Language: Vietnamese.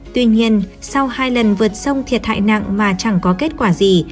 tuy nhiên sau hai lần vượt sông thiệt hại nặng mà chẳng có kết quả gì